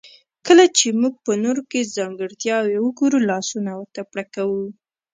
کله چې موږ په نورو کې ځانګړتياوې وګورو لاسونه ورته پړکوو.